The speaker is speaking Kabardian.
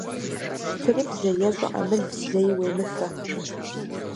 Пщтырыбзэ е щӀыӀэмыл зэи уемыфэ.